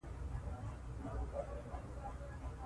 ځمکه د افغانستان د طبیعت یوه ډېره مهمه برخه ده.